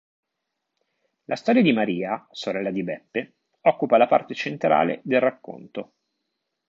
La storia di Maria, sorella di Beppe, occupa la parte centrale del racconto.